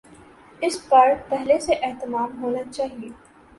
اس بار پہلے سے اہتمام ہونا چاہیے۔